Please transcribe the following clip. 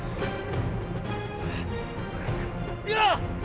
aku ingin tahu apa hiburanmu